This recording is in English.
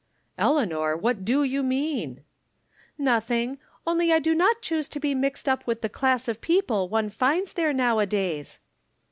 " Eleanor, what do you mean ?"" Nothing ; only I do not choose to be mixed up with the class of people one finds there now adays."